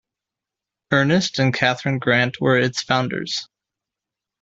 Ernest and Catharine Grant were its founders.